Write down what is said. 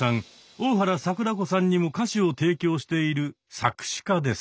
大原櫻子さんにも歌詞を提供している作詞家です。